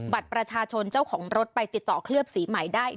บัตรประชาชนเจ้าของรถไปติดต่อเคลือบสีใหม่ได้